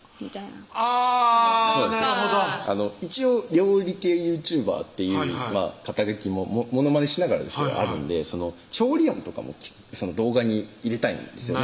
なるほど一応料理系ＹｏｕＴｕｂｅｒっていう肩書もモノマネしながらですけどあるんで調理音とかも動画に入れたいんですよ